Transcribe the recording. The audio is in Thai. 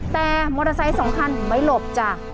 แต่มอเตอร์ไซค์๒คันไม่หลบจักร